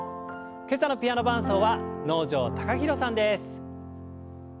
今朝のピアノ伴奏は能條貴大さんです。